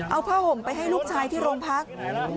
เอาผ้าห่มไปให้ลูกชายที่โรงพัก